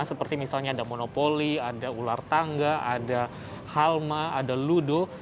seperti misalnya ada monopoli ada ular tangga ada halma ada ludo